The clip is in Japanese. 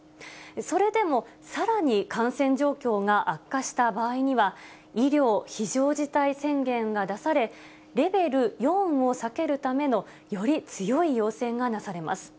それでもさらに感染状況が悪化した場合には、医療非常事態宣言が出され、レベル４を避けるための、より強い要請がなされます。